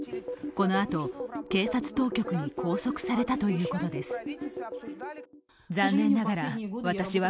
このあと、警察当局に拘束されたということです。